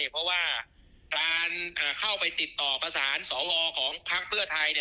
เพราะว่าการเข้าไปติดต่อประสานสวของพักเพื่อไทย